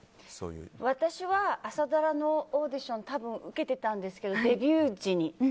私は朝ドラのオーディション多分、受けていたんですけどデビュー時に。